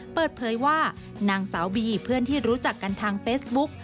เปิดเผยว่านางสาวบีเพื่อนที่รู้จักกันทางเฟซบุ๊ก